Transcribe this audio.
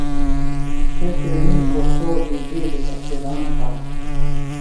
سےۡ تیݨی اوستوذی بِیڈیۡ احترام تھانہ۔